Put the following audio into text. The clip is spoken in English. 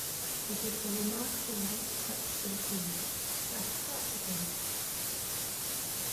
It gives a remarkable light touch to the keys - like a harpsichord.